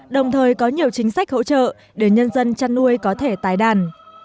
đồng thời có nhiều chính sách hỗ trợ để nhân dân chăn nuôi có thể tái đàn